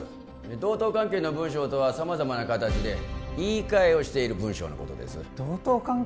同等関係の文章とは様々な形で言い換えをしている文章のことです同等関係？